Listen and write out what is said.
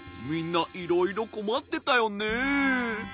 みんないろいろこまってたよね。